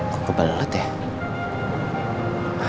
kok kebalet ya